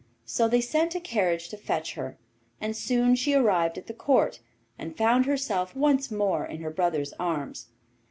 So they sent a carriage to fetch her, and soon she arrived at the court, and found herself once more in her brother's arms.